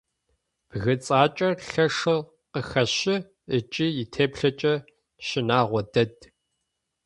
Бгыцакӏэр лъэшэу къыхэщы ыкӏи итеплъэкӏэ щынагъо дэд.